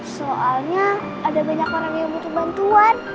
soalnya ada banyak orang yang butuh bantuan